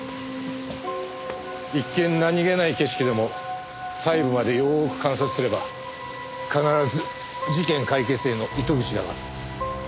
一見何げない景色でも最後までよーく観察すれば必ず事件解決への糸口がある。